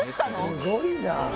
「すごいな！」